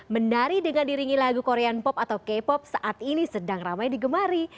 menari dengan diringi lagu korean pop atau k pop saat ini sedang ramai digemari